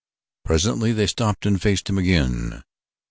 Presently they stopped and faced him again.